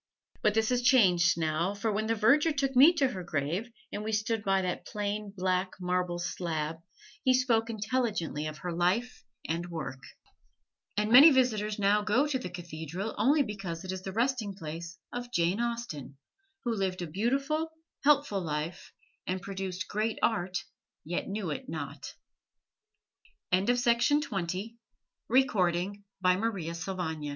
But this is changed now, for when the verger took me to her grave and we stood by that plain black marble slab, he spoke intelligently of her life and work. And many visitors now go to the cathedral, only because it is the resting place of Jane Austen, who lived a beautiful, helpful life and produced great art, yet knew it not. EMPRESS JOSEPHINE You have met General Bonaparte in my house.